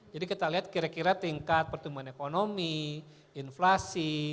jadi kita lihat kira kira tingkat pertumbuhan ekonomi inflasi